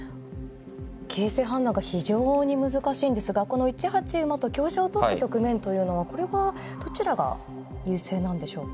形勢判断が非常に難しいんですがこの１八馬と香車を取った局面というのはこれはどちらが優勢なんでしょうか。